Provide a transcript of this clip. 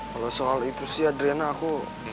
kalau soal itu sih adrena aku